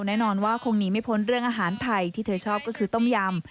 แน่นอนว่าคงหนีไม่พ้นเรื่องอาหารไทยที่เธอชอบก็คือต้มยำ